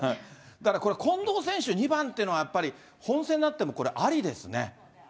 だから、近藤選手２番というのはやっぱり本戦になってもこれ、ありですね。